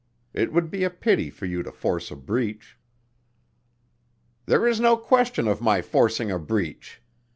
It would be a pity for you to force a breach." "There is no question of my forcing a breach."